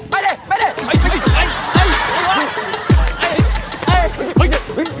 มาเลยเร็ว